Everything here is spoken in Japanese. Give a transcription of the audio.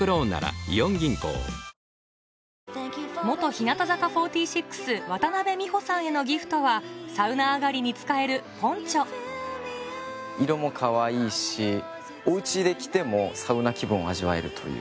日向坂４６渡美穂さんへのギフトはサウナ上がりに使えるポンチョ色もかわいいしおうちで着てもサウナ気分を味わえるという。